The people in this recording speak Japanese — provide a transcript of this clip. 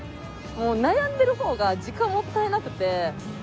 もう悩んでる方が時間もったいなくて。